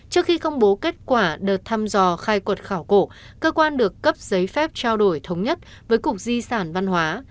trước khi công bố kết quả đợt thăm dò khai quật khảo cổ cơ quan được cấp giấy phép trao đổi thống nhất với cục di sản văn hóa